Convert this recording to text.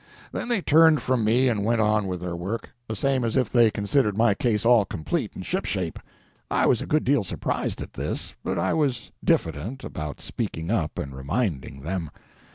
Then they turned from me and went on with their work, the same as if they considered my case all complete and shipshape. I was a good deal surprised at this, but I was diffident about speaking up and reminding them.